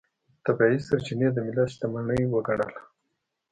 طبیعي سرچینې د ملت شتمنۍ وګڼله.